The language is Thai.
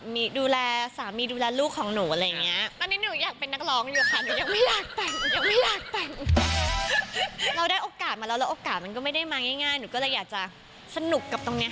ที่สองเนี่ยค่อยแบบถัดมา